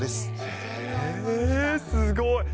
へぇ、すごい。